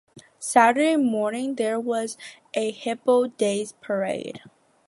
Saturday morning there is the "Hobo Days" parade.